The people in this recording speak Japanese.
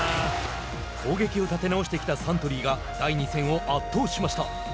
攻撃を立て直してきたサントリーが第２戦を圧倒しました。